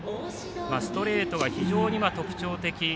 ストレートが非常に特徴的。